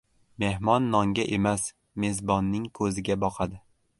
• Mehmon nonga emas, mezbonning ko‘ziga boqadi.